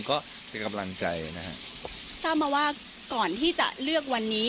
ก็เป็นกำลังใจนะฮะทราบมาว่าก่อนที่จะเลือกวันนี้